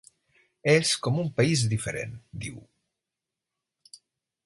“És com un país diferent”, diu.